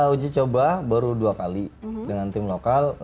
uji coba baru dua kali dengan tim lokal